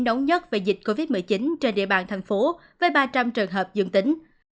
nóng nhất về dịch covid một mươi chín trên địa bàn thành phố với ba trăm linh trường hợp dương tính